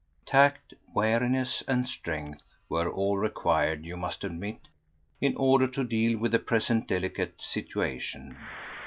Tact, wariness and strength were all required, you must admit, in order to deal with the present delicate situation.